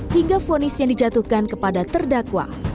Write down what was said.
hingga fonis yang dijatuhkan kepada terdakwa